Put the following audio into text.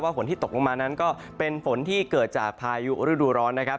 ฝนที่ตกลงมานั้นก็เป็นฝนที่เกิดจากพายุฤดูร้อนนะครับ